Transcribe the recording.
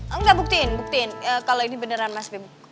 enggak buktiin buktiin kalo ini beneran mas b